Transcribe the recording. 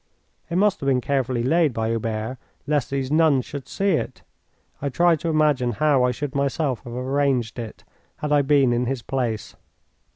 It must have been carefully laid by Hubert lest these nuns should see it. I tried to imagine how I should myself have arranged it had I been in his place.